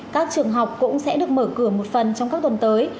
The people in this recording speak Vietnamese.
các trường học cũng sẽ được mở cửa một phần trong các tuần tới